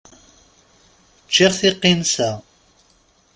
Ččiɣ tiqinsa.